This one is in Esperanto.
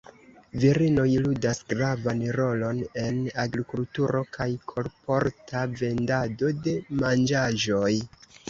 Virinoj ludas gravan rolon en agrikulturo kaj kolporta vendado de manĝaĵoj.